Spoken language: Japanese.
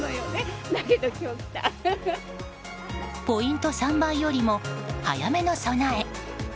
ポイント３倍よりも早めの備え。